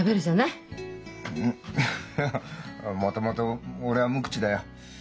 いやもともと俺は無口だよ。